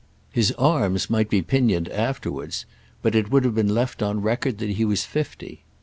His arms might be pinioned afterwards, but it would have been left on record that he was fifty.